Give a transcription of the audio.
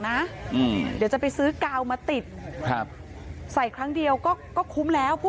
นะเดี๋ยวจะไปซื้อเกามาติดใส่ครั้งเดียวก็คุ้มแล้วพูด